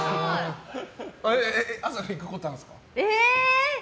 朝いくことあるんですか？